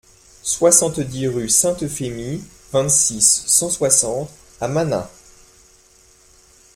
soixante-dix rue Sainte-Euphémie, vingt-six, cent soixante à Manas